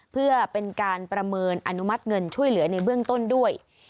เพื่อเป็นการประเมินอนุมัติเงินช่วยเหลือในเบื้องต้นด้วย